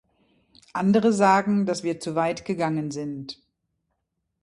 Andere sagen, dass wir zu weit gegangen sind.